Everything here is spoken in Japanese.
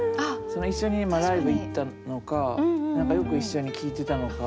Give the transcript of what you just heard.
その一緒にライブ行ったのか何かよく一緒に聴いてたのか。